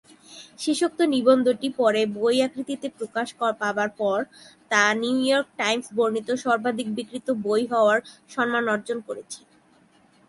শেষোক্ত নিবন্ধটি পরে বই আকৃতিতে প্রকাশ পাবার পর তা নিউ ইয়র্ক টাইমস বর্ণিত সর্বাধিক বিক্রিত বই হওয়ার সম্মান অর্জন করেছে।